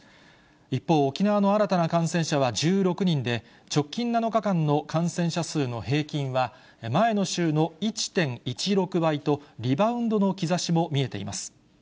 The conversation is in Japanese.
一方、沖縄の新たな感染者は１６人で、直近７日間の感染者数の平均は、前の週の１．１６倍と、リバウンドの兆しも見えています。